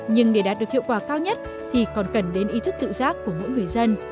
nhưng để đạt được hiệu quả cao nhất thì còn cần đến ý thức tự giác của mỗi người dân